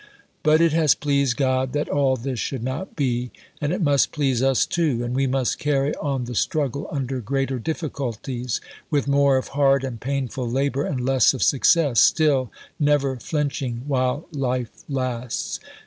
But it has pleased God that all this should not be, and it must please us too, and we must carry on the struggle under greater difficulties, with more of hard and painful labour and less of success, still never flinching while life lasts."